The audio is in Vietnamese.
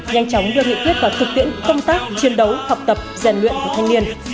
nhanh chóng đưa nghị quyết vào thực tiễn công tác chiến đấu học tập rèn luyện của thanh niên